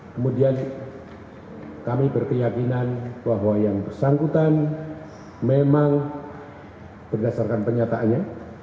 kemudian kami berkeyakinan bahwa yang bersangkutan memang berdasarkan penyataannya